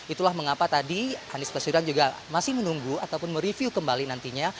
itulah mengapa tadi anies baswedan juga masih menunggu ataupun mereview kembali nantinya